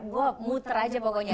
wah muter aja pokoknya